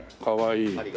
かわいい。